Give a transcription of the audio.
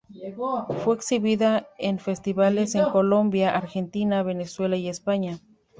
Fue exhibida en festivales en Colombia, Argentina, Venezuela y España.